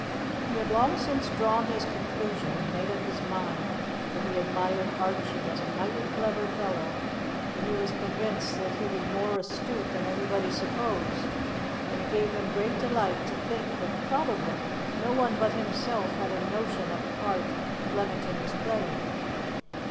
He had long since drawn his conclusion and made up his mind that he admired Archie as a mighty clever fellow, but he was convinced that he was more astute than anybody supposed, and it gave him great delight to think that, probably, no one but himself had a notion of the part Flemington was playing.